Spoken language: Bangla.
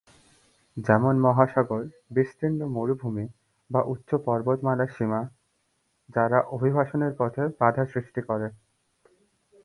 যেমন মহাসাগর, বিস্তীর্ণ মরুভূমি বা উচ্চ পর্বতমালার সীমা, যারা অভিবাসনের পথে বাধা সৃষ্টি করে।